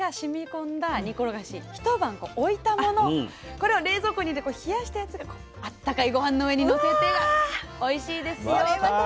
これを冷蔵庫に入れて冷やしたやつあったかいごはんの上にのせてがおいしいですよって。